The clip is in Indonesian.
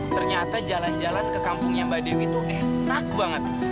ternyata jalan jalan ke kampungnya mbak dewi itu enak banget